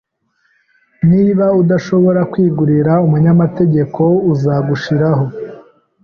Niba udashobora kwigurira umunyamategeko, uzagushiraho.